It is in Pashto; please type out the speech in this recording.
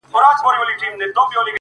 ماته ژړا نه راځي کله چي را یاد کړم هغه ـ